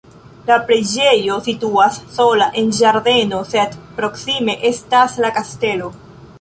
La preĝejo situas sola en ĝardeno, sed proksime estas la kastelo.